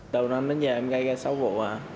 từ năm đến giờ em gây ra sáu vụ